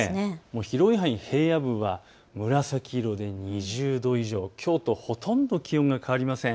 広い範囲、平野部は紫色で２０度以上、きょうとほとんど気温が変わりません。